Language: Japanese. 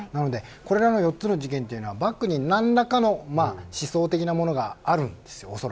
これらの４つの事件はバックに何らかの思想的なものがあるんです。